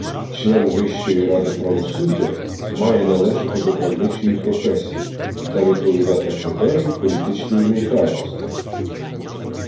Член Вищої ради правосуддя має належати до правничої професії та відповідати критерію політичної нейтральності.